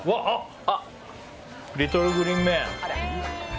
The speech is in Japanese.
あっ、リトル・グリーン・メン。